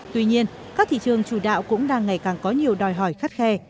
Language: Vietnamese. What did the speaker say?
tuy nhiên các thị trường chủ đạo cũng đang ngày càng có nhiều đòi hỏi khắt khe